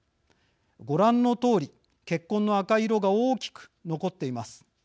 ご覧のとおり血痕の赤い色が大きく残っています。